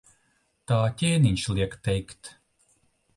Tā ķēniņš liek teikt.